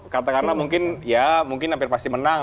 kata karena mungkin ya mungkin hampir pasti menang